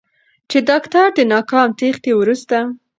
چې داکتر د ناکام تېښتې وروسته